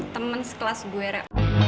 temen sekelas gue ra